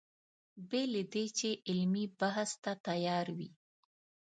بې له دې چې علمي بحث ته تیار وي.